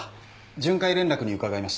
巡回連絡に伺いました